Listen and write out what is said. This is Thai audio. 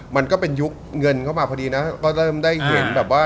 มันก็เป็นยุคเงินเข้ามาพอดีนะก็เริ่มได้เห็นแบบว่า